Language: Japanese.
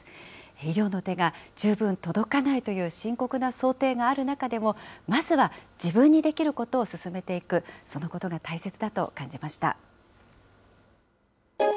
医療の手が十分届かないという深刻な想定がある中でも、まずは自分にできることを進めていく、そのことが大切だと感じました。